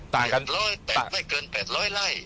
แต่ไม่เกิน๘๐๐ไร่